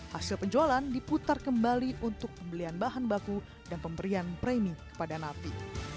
hasil penjualan diputar kembali untuk pembelian bahan baku dan pemberian premi kepada napi